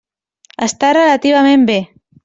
Està relativament bé.